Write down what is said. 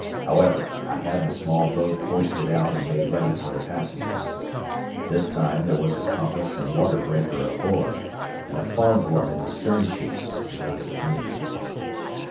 However, I had the small boat hoisted out and made ready for the passengers. This time there was a compass and water breaker aboard, and a foghorn in the stern sheets in case of need.